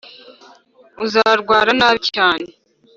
- uzarwara nabi cyane.